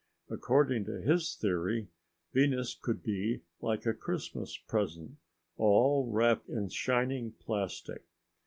According to his theory Venus could be like a Christmas present all wrapped in shining plastic.